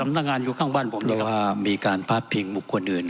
ให้โอกาสครับอยู่ข้างบ้านผมนี่ครับเพราะว่ามีการพาดพิงบุคคนอื่น